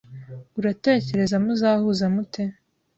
uratekereza muzahuza mute